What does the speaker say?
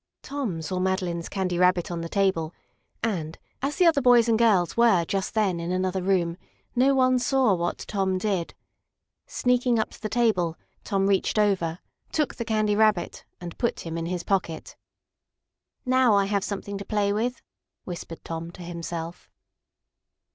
Tom saw Madeline's Candy Rabbit on the table, and, as the other boys and girls were just then in another room, no one saw what Tom did. Sneaking up to the table, Tom reached over, took the Candy Rabbit, and put him in his pocket. "Now I have something to play with," whispered Tom to himself.